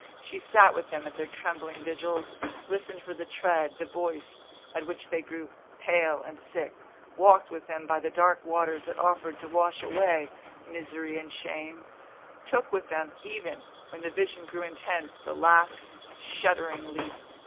She sat with them at their trembling vigils, listened for the tread, the voice, at which they grew pale and sick, walked with them by the dark waters that offered to wash away misery and shame, took with them, even, when the vision grew intense, the last shuddering leap.